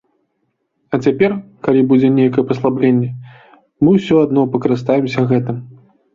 А цяпер, калі будзе нейкае паслабленне, мы ўсё адно пакарыстаемся гэтым.